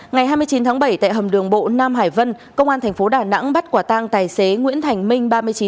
ngày hai mươi chín tháng bảy tại hầm đường bộ nam hải vân công an tp đà nẵng bắt quả tang tài xế nguyễn thành minh